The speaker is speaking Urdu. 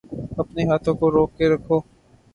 اپنے ہاتھوں کو روک کے رکھو